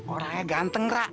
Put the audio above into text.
orangnya ganteng ra